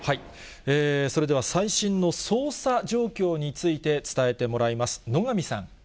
それでは、最新の捜査状況について、伝えてもらいます。